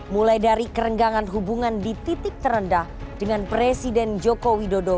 mulai dari kerenggangan hubungan di titik terendah dengan presiden joko widodo